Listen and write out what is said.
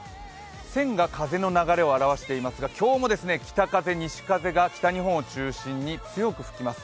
線が風の流れを表していますが今日も北風、西風が北日本を中心に強く吹きます。